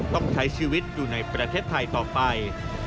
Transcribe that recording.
ต้องใช้ชีวิตอยู่ในประเทศไทยต่อไป